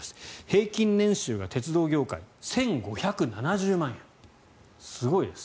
平均年収が鉄道業界、１５７０万円。